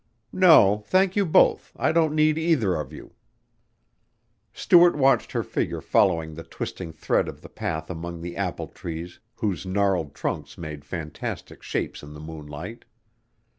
"No, thank you both, I don't need either of you." Stuart watched her figure following the twisting thread of the path among the apple trees, whose gnarled trunks made fantastic shapes in the moonlight.